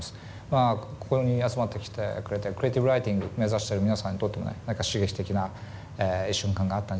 まあここに集まってきてくれてクリエーティブライティング目指してる皆さんにとってもね何か刺激的ないい瞬間があったんじゃないかと思います。